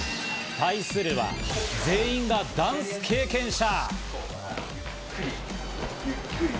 対するは、全員がダンス経験者。